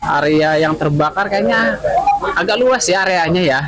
area yang terbakar kayaknya agak luas ya areanya ya